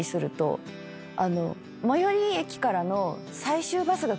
最寄り駅からの。